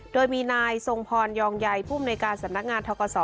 โดยมีนายทรงพรยองใยผู้มนุยการสำนักงานทกศ